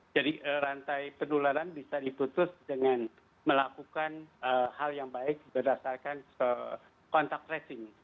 jadi rantai penularan bisa diputus dengan melakukan hal yang baik berdasarkan contact tracing